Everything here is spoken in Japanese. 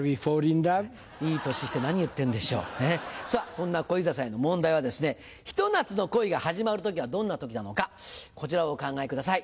そんな小遊三さんへの問題はですねひと夏の恋が始まる時はどんな時なのかこちらをお考えください。